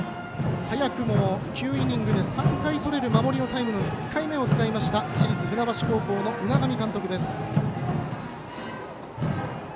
早くも９イニングで３回とれる守りのタイム１回目を使った市立船橋高校の海上監督です。